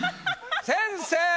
先生！